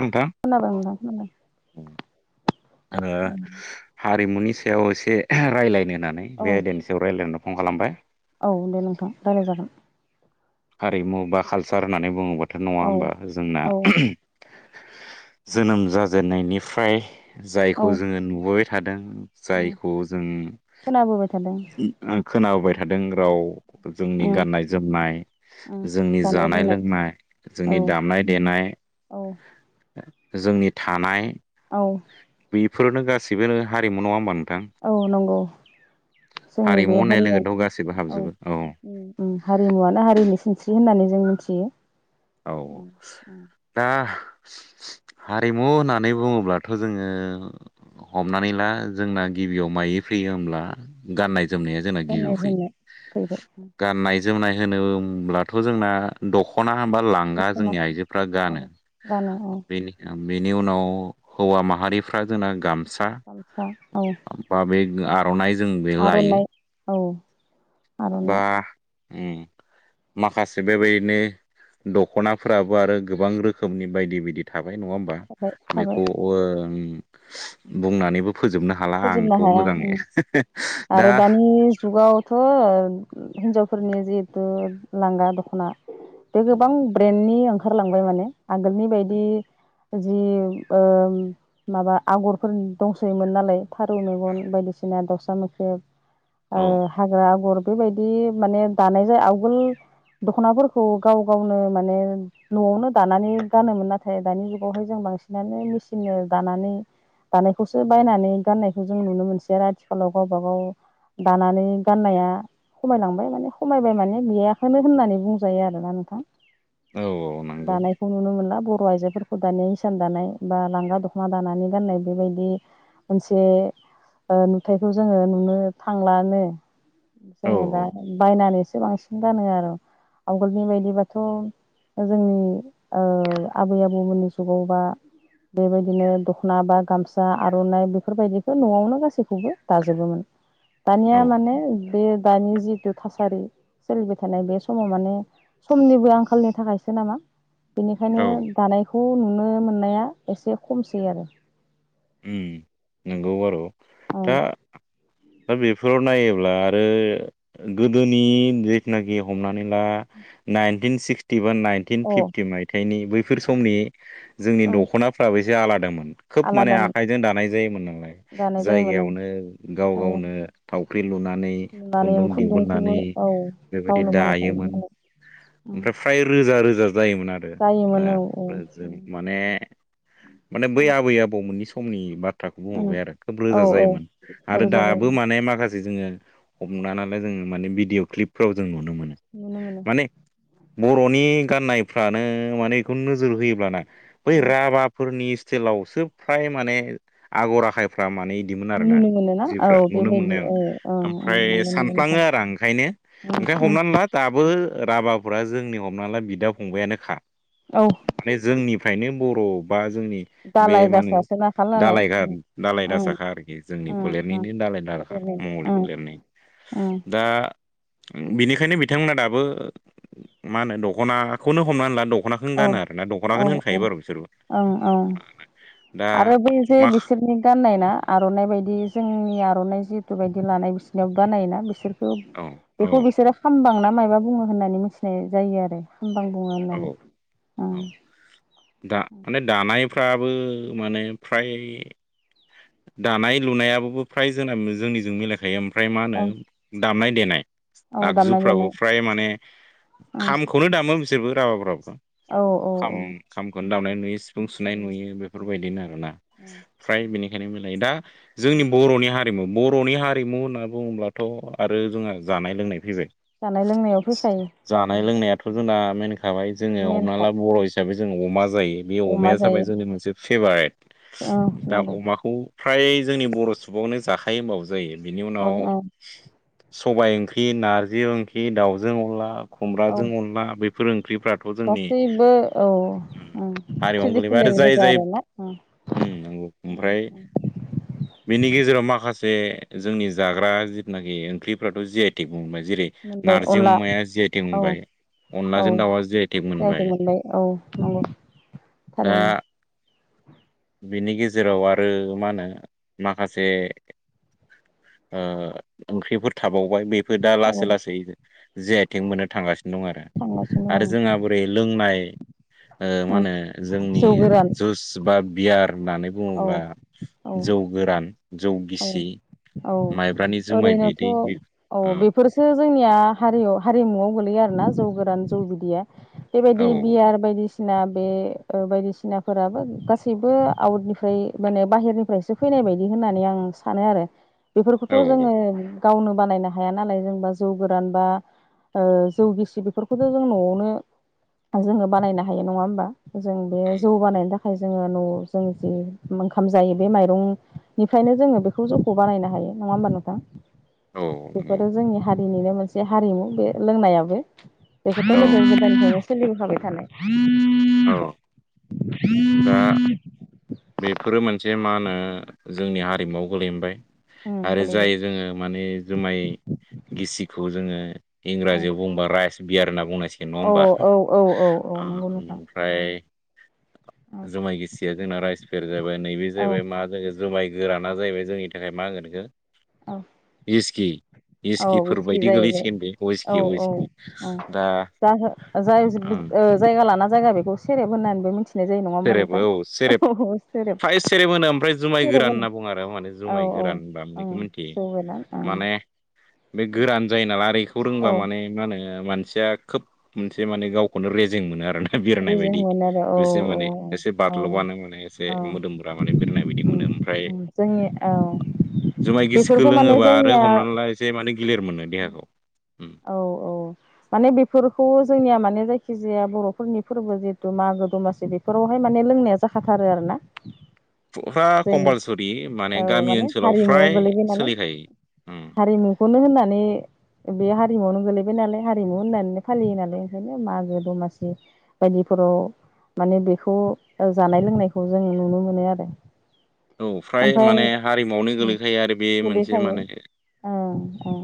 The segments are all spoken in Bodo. नोंथां खोनाबाय नोंथां खोनादों आङो हारिमुनि सायाव एसे रायज्लायनो होननानै औ बे आयदानि सायाव रायलायनो दं फन खालामबाय औ दे नोंथां रायलाय जागोन हारिमु बा कालसार होननानै बुङोब्लााथ' नङा औ होमबा जोंना औ जोनोम जाजेननायनिफ्राय औ जायखौ जोङो नुबोबाय थादों। उम जायखौ जों खोनाबोबाय थादों खोनाबोबाय औ थादों राव जोंनि उम गाननाय जोमनाय जोंनि जा जानाय लोंनाय औ जोंनि दामनाय देनाय औ जोंनि थानाय औ बेफोरनो गासिबो हारिमु नङा होमबा नोंथां औ नंगौ जोंनि हारिमु बे होननाय हारिया लोगोथ' गासैबो औ हाबजोबो उम हारिमुवानो हारिनि सिनस्रि होननानै जों मिथि औ दा हारिमु होननानै बुङोब्लाथ' जोङो हमनानै ला जोंना गिबियाव मायो फैयो होमब्ला गाननाय जोमनाया जोंना गिबियाव गाननाय फैयो। जोमनाय फैबाय गाननाय जोमनाय होनोब्लाथ' जोंना दखना बा लांगा दख'ना जोंनि आइजोफ्रा औ गानो गानो औ बेनि उनाव हौवा माहारिफ्रा जोंना गामसा गामसा औ सा बा बे आर'नाइ जों बे लायो। आर'नाइ औ बा आर'नाइ उम माखासे बेबायदिनो दख'नाफ्राबो आरो गोबां रोखोमनि बायदि बायदि थाबाय ह थाबाय थाबाय हाला आंथ' फोजोबनो हाया मोजां उम आरो दानि जुगावथ' हिनजावफोरनि जिहेतु लांगा दख'ना बे गोबां ब्रेन्डनि ओंखारलांबाय माने आगोलनि बायदि जि ओ माबा आगरफोर दंसोयोमोन नालाय थारौ मेगन बायदिसिना दाउसा मोख्रेब औ हाग्रा आगर बेबायदि माने दानाय जाय आवगोल दख'नाफोरखौ गाव गावनो माने न'आवनो दानानै गानोमोन नाथाय दानि जुगावहाय जों बांसिनानो मेसिन दानानै दानायखौसो बायनानै गाननायखौ जों नुनो मोनसै आरो आथिखालाव गावबा गाव दानानै गाननाया खमायलांबाय माने सममायबाय माने गैयखौनो होननानै बुंजायो आरोोना नोंथां औ औ नंगौ दानायखौ नुनो मोनला ब हौ आइजोफोरखौ दानि इसान दानाय बा लांगा दख'ना दानानै गाननाय बेबायदि मोनसे नुथायखौ जोङो नुनो थांलानो औ जोङो दा बायनानैसो बांसिन गानो आरो आवगोलनि बायदिबाथ' जोंनि आबै आबौमोननि जुगाव बा बेबायदिनो दख'ना बा गामसा आर'नाइ बे बेफोरबायदिखौ न'आवनो गासैखौबो दाजोबोमोन दानिया औ माने बे दानि जिथु थासारि सोलिबाय थानाय बे समाव माने समनिबो आंखालनि थाखाय ो नामा बेनिखायनो औ दानायखौ बेखौ नुनो मोननाया एसे खमसै आरो नंगौ आरो' दा दा बेफोराव नायोब्ला आरो गोदोनि जिथुनाखि हमनानै ला नाइटिनक्स फटिभान नाइनटिन ओं फिफटि मायथाइनि बैफोर समनि जोंनि अ दख'नाफ्राबो एसे आलादामोन खोब माने आ आलादामोन आायद दानाय जायोमोन नालाय दानाय जायोमोन जायगायावनो गाव ओं गावनो थावख्रि लुनानै लुनानै खुन्दुं खुन्दुंखौबो दिहुननानै औ बेबायदि गावनो बानायखायोमोन दायोमोन नालाय ओमफ्राय फ्राय रोजा रोजा जायोमोन आरो जायोमोन औ जों माने माने औ बै आबै आबौमोननि समनि बा उम बुंरबाय आरो खोब औ रोजा औ जायोमोन आरो रोजा जायो दाबो माने माखासे जोङो हमना नालाय जोङो माने भिडिअ क्लिपफ्राव जों मोनो मोननो मोननोो माने बर'नि गाननायफ्रानो माने बेखौ नोजोर होयोब्लाना बै उम राभाफोरनि हेलावसो फ्राय माने आगर आखायफ्रा माने बिदिमोन आरोोना नुनो मोनोना जफ औ नुनो बेबायदि मोननाय आं औ औ औ ओमफ्राय नंगौ नंगौ सानफ्लाङो नोंथां आरो आं ओंखायनो आओंखाय उम उम हमनानै ला दाबो राभाफोरा जोंनि हमना ला बिदा फंबायानोखा औ माने जोंनि नो बर' बा जोंनि बे दालाय मा होन दासासो नाखाल नालाय दालाय उम दालाय उम दासााखा आरोखि जोंनि उम उम फलेरनिनो दालाय द फेदेरनाय उम मगलनि उम दा बिनिखायनो बिथांमोना दाबो मा होनो दख'नाखौनो हमनानै ला दख'ना दख'नाखौनो औ गानो आरोना औ दख'नाखौनो औ होनखायो बार' बिसोरबो ओं ओं दा आरो बे जे मा बिसोरनि गाननाय ना आर'नाइ बायदि जोंनि आर'नाइ ु ब लानाय बिसिनि बानायोना बिसोर औ औ बेखौ बिसोर खामबां न मबा बुङो होननानै मिथिनाय जायो आरो हामबां बुङो होननानै औ औ दा माने दानायफ्राबो माने फ्राय दानाय लुनायाबो फ्राय जोंना जोंनिजों मिलायखायो ओमफ्राय ओमफ्राय मा औ होनो दामनाय देनाय औ दामनाय आगजुफ्राबो देनाय फ्राय माने ओं खामखौनो दामो बिसोरबो राभाफ्राबो औ औ खाम औ खामखौनो दावनाय उम नुयो सिफुं सुनाय नुयो बेफोरबायदिनो आर ना उम फ्राय बेनि दखायनाय मिलायो दा जोंनि उम बर'नि हारि हारिमु बर'नि हारिमु होनना बुङ्लाथ' आरो जोंहा जानाय लोंनाय फैबाय जानाय लोंनायाव फैखायो जानाय ओं लोंनायाथ' जोंना मेनखाबाय जोङो हमना मेनखा ला बर' हिसाबै जों अमा जायो बे अमा अमाया जाबाय जायो जोंनि मोनसे फेभारेट ओं दा नंगौ अमाखौ फ्राय जोंनि बर' सुबुंआवनो जाखायो होमबावोसो जायो बिनि औ उनाव औ सबाय ओंख्रि नारजि ओंख्रि दाउजों अनला औ खुमबाजों अनला बफोर ओं ओंख्रिफ्राथ' जोंनि गासैबो औ ओं हारिमुनो गोलैबाय आरो ट्रेडिसनेल जाय गोजा जाय आरोना ओं नंौ ओं ओमफ्राय बेनि गेजेराव माखासे जे जोंनि जाग्रा जिथनाखि ओंख्रिफ्राथ' जिआइटिक मोनबाय जेरै मोनबाय नारजि अनला अमाया जि आइथिं औ होनबाय दाउ औ जायदों मोना मोनबाय औ नंगौ थारैनो बिनि गेजेराव आरो मा होनो माखासे ओंख्रिफोर थाबावबाय बे बे दा लासै लासै जे आइथिं मोननो थांगासिनो दं आरो थांगासिनो आरो दं जोंहा बोरै लोंनाय मा ओं होनो जोंनि जौ गोरान जुस बा बियार होननानै औ बुङोब्ला औ जौ गोरान जौ औ गिसि औ माइब्रानि जुमाय ओरैनोथ' बिदै औ बेफोरसो जोंनिया हारियाव हारिमुआव गोलैयो आरोना जौ गोरान जौ बिदिया बेबायदि औ बियार बायदिसि बना बे बायदिसिनाफोराबो गासैबो आउटनिफ्राय माने बाहेरनिफ्रायसो फैनाय नाय बायदि होननानै आं सानो आरो औ बेफोरखौथ' जोङो गावनो बानायनो हाया नालाय जेनबा जौ गोरान बा जौगिसि बेफोरखौथ' जों न'आवनो जोङो बानायनो हायो नङा होमबा जों बे उम, जौ बानायनो थाखाय ाय जोङो न' जों जि ओंखाम जायो बे माइरंनिफ्रायनो जोङो बेखौ जोंखौ बानायनो हायो नङा होमबा नोंथां औ बेफोरो जोंनि हारि बिनिनो मोनसे हारिमु बे लोंनायाबो बेखौथ' औ गोज गोदानखौनो थ औ दा बेफोरो मोनसे मा होनो जोंनि हारिमुआव गोलैैबाय उम आरो गोलैबाय जाय जोङो माने जुमाय गिसिखौ जोङो इंराजियाव बुंबा राइस बियार होनना बुंनाय से नङा औ होमबा औ औ औ औ नंगौ नोंथां ओमफ्राय जुमाय गिसिया जोंना राइस जाहैबाय नैबे औ जाहैबाय मा जोो जुमाय गोराना जाहैबाय जोंनि थाखाय मा होनोनखौ औ इि औ इसकिफोर बिसखि बायदि जाहैबाय गोलैसिगोन बेइस्कि अइस्कि दा जो जाय ओं जायगा लाना जायगा बेखौ सेरेब होननानैबो मिथि सेरेब औ सेरेब फ्राय सेरेब होनो ओमफ्राय जुमाय सेरेब गोरान होनो होनना बुो आरो माने औ जुमाय गोर औ गोरान होनबा बेखौ ओं मिथियो जौ गोरान ओं माने बे गोरान जायो नालाय ओरैखौ रोंबा औ माने मा होनो मानसिया खोब मोनसे माने गावखौनो रेजें मोनो आरोोना बिरनाय रेजें बायदि मोनो आरो औ बेसो माने एसे औ औ बारल'बानो माने एसे औ मोदोमब माने बिरनाय बायदि मोनो ओमफ्राय औ जोंनि औ जुमाय गिसिख बेफोरखौ माने लोङोबा आरो जोंनिया हमनानै ला एसे माने गिलिर मोनो देहाखौ उम औ औ माने बेफोरखौ जोंनिया माने जायखि जाया बर'फोरनि फोरबो जिहेतु मागो दमासि बेफोरावहाय माने लोंनाया जाखाथारो आरोना फुरा जों कम्पालसरि औ गामि माने ओनसोलाव हारिमुआव फ्राय गोलैबाय नालाय सोलिखायो उम हारिमुखौनो होननानै बे हारिमुआवनो गोलैबाय नालाय हारिमु होननानै फालियो नालाय ओंखायनो मागो दमासि बायदिफोराव माने बेखौ जानाय लोंनायखौ जों नुनो मोनो आरो औ फ्राय ओमफ्राय माने हारिमुआवनो गोलैखायो आरो बे मोनसे गोलैखायो माने ओ ए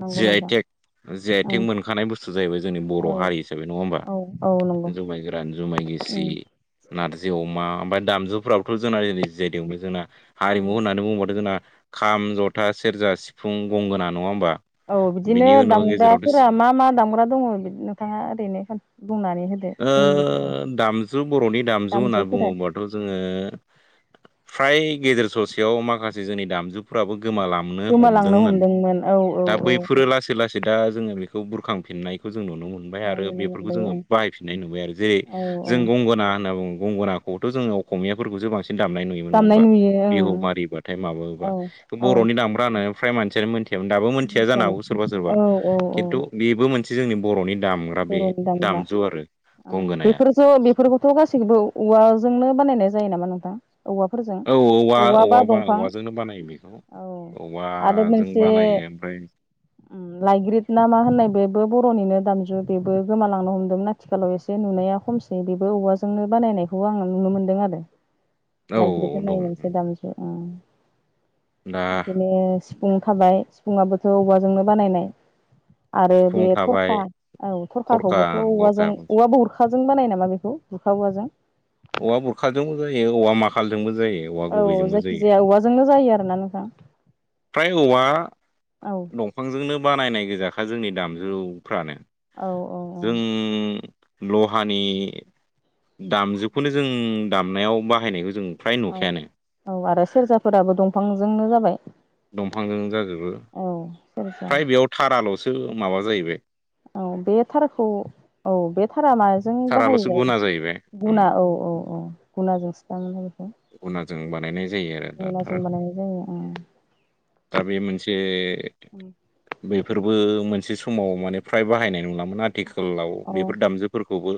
नंगौ नोंथां। जिआइ थेक ओं मोनखानाय बुस्थु जाहैबाय जोंनि बर' औ हारि हिसाबै नङा ओमबा औ औ नंगौ जुमाय गोरान, जुमाय गिसि, उम नारजि अमा ओमफ्राय दामजुफ्रावथ' जोंना जेरै जायदों जोंना उम हारिमु होननानै बुङोबाथ' जोंना खाम, जथा, सेरजा, सिफुं, गंगोना नङा होमबा औ बिदिनो बिनि उनाव गेजेरावथ' दामग्राफोरा मा मा दामग्रा दङ नोंथाङा ओरैनो बुंनानै होदो ओ जोंनि गेजेराव दामजु बर'नि दामजु होनना दामजुफोरा बुङोबाथ' जोङो फ्राय गेजेर ससेयाव माखासे जोंनि दामजुफोराबो गोमालांनो गोमालांनो हमदोंमोन औ औ दा औ औ बैफोरो लासै लासै दा जोङो बे खौ बुरखांफिननायखौ जों नुनो मोनबाय औ आरो नुनो बेफोरखौ मोनबाय जोङो बाहाय फिननाय नुबाय आरो जेरै ओं औ औ जों गंगोना होनना बुङो गंगोननाखौथ जोङो असमियाफोरखौ जों बांसिन दामनाय नुयोमोन नङा दामनाय होमबा नुयो बिहु ओं मारिबाथाय माबोबा औ बर'नि दामग्रा होननानै फ्राय मानसियानो मोनथियामोन दाबो मोनथिया जानो मिथियामोन हागौ सोरबा सोरबा औ औ औ खिन्थु बेबो मोनसे जोंनि बर'नि दामग्रा बे दाम ओ बेफोरथ' बेफोरखौथ' गासैखौबो औवाजोंनो बानायनाय जायो नामा नोंथां? औवाफोरजों औ औवा बा औ ब दंफां औवाजोंनो बानायो बेखौ औ औवाजों बानायो। ओमफ्राय ओ लाइग्रिद ना मा होननाय बेबो बर'निनो दामजु बेबो गोमालांनो हमदोंमोन आथिखालाव एसे नुनाया खमसै बेबो औवाजोंनो बानायनायखौ आङो नुनो मोनदों आरो। औ ओ लाइग्रोदा औ दं मोनसे दामजु। दा बिदिनो सिफुं थाबाय सिफुङाबोथ' औवाजोंनो बानायनाय आरो सिफुं बे थाबाय थरखा औ खरखा थरखाखौबोथ' औवाजों गरखा औवाबो बुरखाजों बानाय बानायो नामा बेखौ बुरखा औवाजों औवा बुरखाजोंबो जायो औवा माखालजोंबो जायो औवा औ गुबैजोंबो जायखि जायो जाया औवाजोंनो जायो आरो ना नोंथां। फ्राय औवा औ दंफांजोंनो बानायनाय गोजाखा जोंनि दामजुफ्रानो औ औ जों लहानि दामजुखौनो जों दामनायाव बाहायनायखौजों औ औ आरो सेर्जाफोराबो दंफांजोंनो जाबाय दंफांजों जाजोबो औ सेरजा फ्राय बेयाव थाराल'सो माबा जाहैबाय। औ बे थारखौ औ बे था रा माजों बाहायो थाराल'सो जायो गुना जाहैबाय उम गुना औ औ औ गुनाजोंसो बानायो। गुउनाजों बानायनाय जायो आरो दा गुनाजों थारखौ बानायनाय जायो औ दा बे मोनसे बे बेफोरबो मोनसे समाव माने फ्राय बाहायनाय नंलामोन आथिखालाव औ बेफोर दामजुफोरखौबो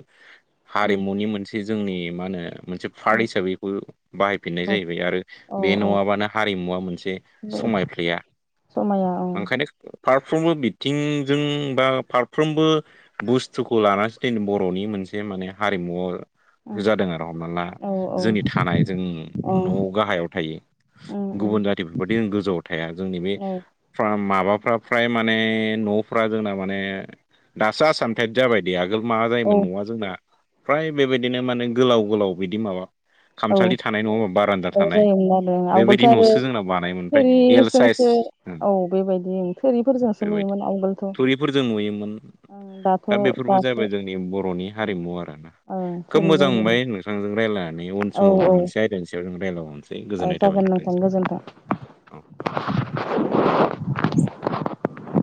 हारिमुनि मोनसे जोंनि मा होनो मोनसे पार्ट हिसाबैबो बाहायफिननाय औ जाहैबाय आरो औ बे औ औ नङाबानो हारिमुवा मोनसे समायफ्लेया समाया औ ओंखायनो फारफ्रोमबो बिथिंजों बा फारफ्रोमबो बुस्थुखौ लानानैसो दिन बर'नि मोन मोनसे माने हारिमु जादों आरो हमना ला औ औ जोंनि थानाय जोंनि औ न' गाहायाव थायो। उम उम गुबुन जाथिफोरबायदि जों गोजौवाव थाया जोंनि बे औ माबाफ्रा फ्राय माने न'फ्रा जोंना माने दासो आसामथाइब जाबायदे आगोल माबा औ जायोमोन न'आ जोंना फ्राय बेबायदिनो माने गोलाव गोलाव बिदि माबा औ खामसालि थानाय नङा होमबा बारान्दा औ थानाय जायोमोन आवगोलथ' बेबायदि आरो न'सो जोंना बानायोमोन ओमफ्राय एल साइस थोरिसोमसो औ बेबायदि थोरिफोरजोंसो बेबायदि लुयोमोन आवगोलथ'। थुरिफोरजों नुयोमोन दाथ' दा बेफोरबो दासो जाबाय जोंनि बर'नि हारिमु आरो ना ओं खोब मोजां थोरिजों लुनाय मोनबाय नोंथांजों रायज्लायनानै उन औ समाव जों औ मोनसे [unintelligible] थाबाय जागोन नोंथां नोंथांसिम गोजोन्थों।